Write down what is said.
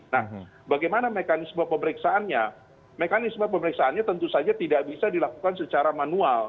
nah bagaimana mekanisme pemeriksaannya mekanisme pemeriksaannya tentu saja tidak bisa dilakukan secara manual